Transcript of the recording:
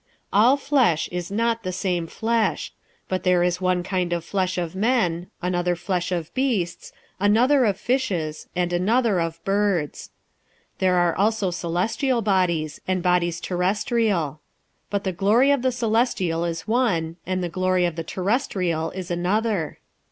46:015:039 All flesh is not the same flesh: but there is one kind of flesh of men, another flesh of beasts, another of fishes, and another of birds. 46:015:040 There are also celestial bodies, and bodies terrestrial: but the glory of the celestial is one, and the glory of the terrestrial is another.